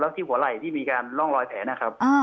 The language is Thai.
ที่หัวไหล่ที่มีการร่องรอยแผลนะครับ